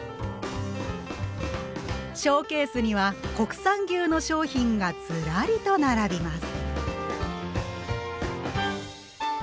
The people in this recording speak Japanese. ショーケースには国産牛の商品がずらりと並びます。